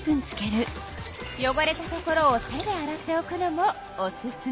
よごれたところを手で洗っておくのもおすすめよ。